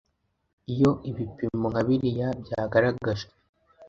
Iyo ibipimo nka biriya byagaragajwe